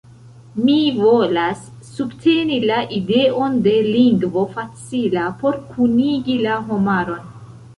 Mi volas subteni la ideon de lingvo facila por kunigi la homaron.